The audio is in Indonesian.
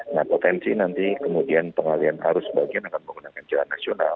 nah potensi nanti kemudian pengalian arus bagian akan menggunakan jalan nasional